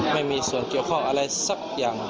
ไม่มีส่วนเกี่ยวข้องอะไรสักอย่าง